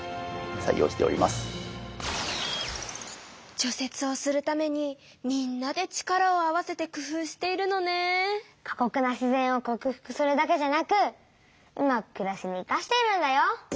除雪をするためにみんなで力を合わせて工夫しているのね。かこくな自然をこく服するだけじゃなくうまくくらしにいかしているんだよ。